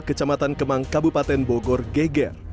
kecamatan kemang kabupaten bogor geger